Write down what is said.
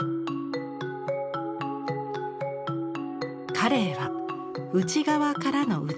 カレイは内側からの打ち出し。